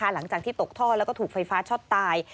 หลังจากที่ตกท่อแล้วก็ถูกไฟฟ้าช็อตตาย